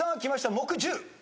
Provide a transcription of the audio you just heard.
木１０。